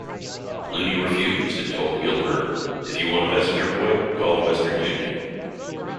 Looney refused and told Gilmer, If you want a messenger boy, call Western Union.